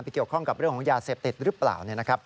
เกี่ยวข้องกับเรื่องของยาเสพติดหรือเปล่า